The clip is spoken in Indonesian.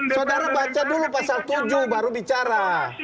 saudara baca dulu pasal tujuh baru bicara